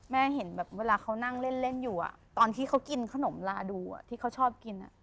เห็นแบบเวลาเขานั่งเล่นอยู่ตอนที่เขากินขนมลาดูที่เขาชอบกิน